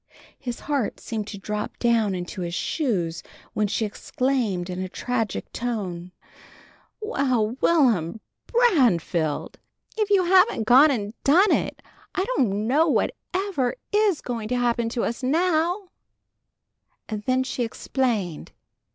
His heart seemed to drop down into his shoes when she exclaimed in a tragic tone: "Well, Will'm Branfield! If you haven't gone and done it! I don't know what ever is going to happen to us now!" Then she explained.